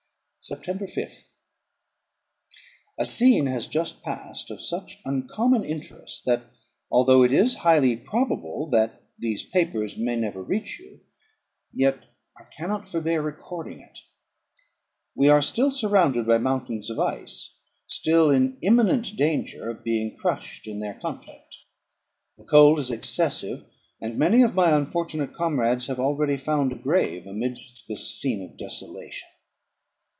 September 5th. A scene has just passed of such uncommon interest, that although it is highly probable that these papers may never reach you, yet I cannot forbear recording it. We are still surrounded by mountains of ice, still in imminent danger of being crushed in their conflict. The cold is excessive, and many of my unfortunate comrades have already found a grave amidst this scene of desolation.